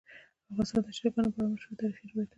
افغانستان د چرګان په اړه مشهور تاریخی روایتونه لري.